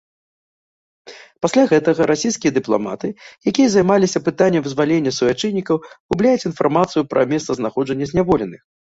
Пасля гэтага расійскія дыпламаты, якія займаліся пытаннем вызвалення суайчыннікаў, губляюць інфармацыю пра месцазнаходжанне зняволеных.